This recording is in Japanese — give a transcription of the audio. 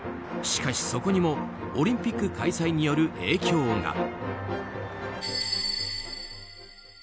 しかし、そこにもオリンピック開催による影響が。